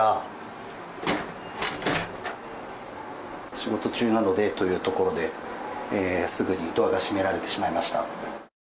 仕事中なのでということですぐにドアが閉められてしまいました。